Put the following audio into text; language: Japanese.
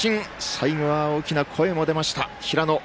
最後は大きな声も出ました、平野。